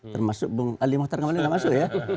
termasuk bung ali muhtar nggak masuk ya